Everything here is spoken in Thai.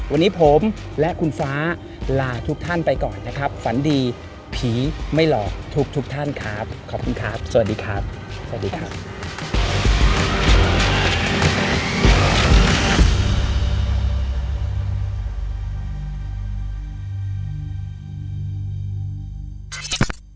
วันนี้ผมและคุณฟ้าลาทุกท่านไปก่อนนะครับฝันดีผีไม่หลอกทุกท่านครับขอบคุณครับสวัสดีครับสวัสดีครับ